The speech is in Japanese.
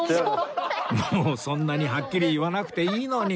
もうそんなにはっきり言わなくていいのに